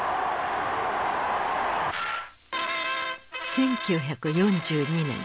１９４２年。